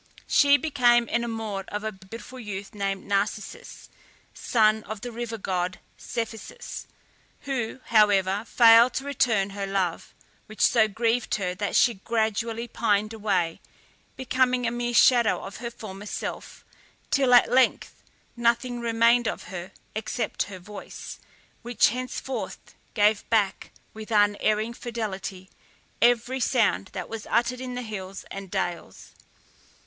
She became enamoured of a beautiful youth named Narcissus, son of the river god Cephissus, who, however, failed to return her love, which so grieved her that she gradually pined away, becoming a mere shadow of her former self, till, at length, nothing remained of her except her voice, which henceforth gave back, with unerring fidelity, every sound that was uttered in the hills and dales.